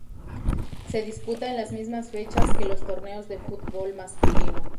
Se disputa en las mismas fechas que los torneos de fútbol masculino.